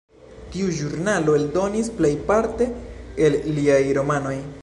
Tiu ĵurnalo eldonis plejparte el liaj romanoj.